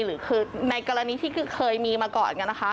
หรือคือในกรณีที่เคยมีมาก่อนอย่างนี้นะคะ